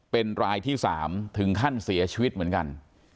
เป็นรายที่๓ถึงขั้นเสียชีวิตเหมือนกัน